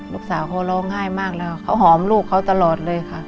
ลูกสาวเขาร้องไห้มากแล้วเขาหอมลูกเขาตลอดเลยค่ะ